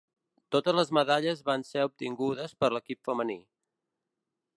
Totes les medalles van ser obtingudes per l'equip femení.